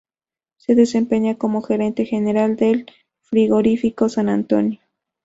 Se desempeña como gerente general del Frigorífico San Antonio.